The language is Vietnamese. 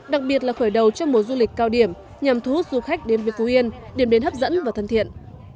đặc biệt là khởi đầu trong mùa du lịch cao điểm nhằm thu hút du khách đến với phú yên điểm đến hấp dẫn và thân thiện